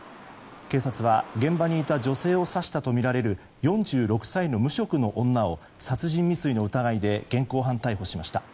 警察は、現場にいた女性を刺したとみられる４６歳の無職の女を殺人未遂の疑いで現行犯逮捕しました。